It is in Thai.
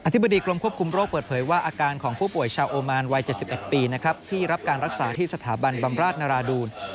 ธิบดีกรมควบคุมโรคเปิดเผยว่าอาการของผู้ป่วยชาวโอมานวัย๗๑ปีนะครับที่รับการรักษาที่สถาบันบำราชนราดูล